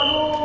eins dua tiga